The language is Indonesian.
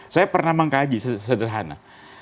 saya pernah mengkaji sederhana